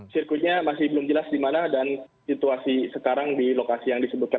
sirkuitnya masih belum jelas di mana dan situasi sekarang di lokasi yang disebutkan